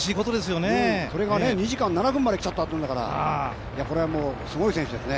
それが２時間７分まできちゃったっていうんだからこれはすごい選手ですね。